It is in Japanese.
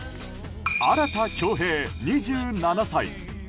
荒田恭兵、２７歳。